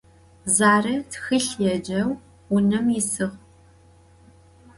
Zare txılh yêceu vunem yisığ.